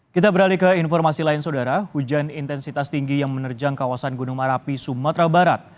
kita beralih ke informasi lain saudara hujan intensitas tinggi yang menerjang kawasan gunung merapi sumatera barat